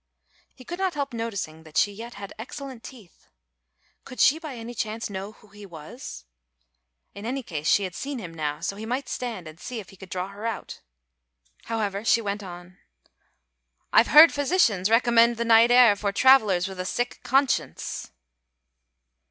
He could not help noticing that she yet had excellent teeth. Could she by any chance know who he was? In any case she had seen him now, so he might stand and see if he could draw her out. However, she went on, "I've heard physicians recommend the night air for travellers with a sick conscience."